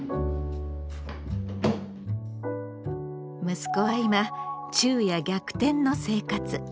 息子は今昼夜逆転の生活。